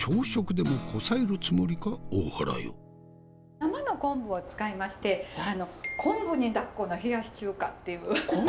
生の昆布を使いまして昆布に抱っこの冷やし中華？